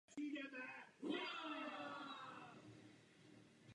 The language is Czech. Hráč nyní může vlastnit více než jeden vůz.